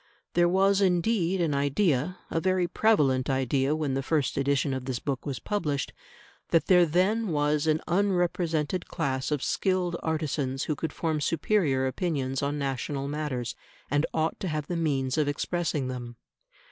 There was indeed an idea a very prevalent idea when the first edition of this book was published that there then was an unrepresented class of skilled artisans who could form superior opinions on national matters, and ought to have the means of expressing them.